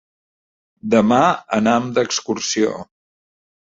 Demà anam d'excursió.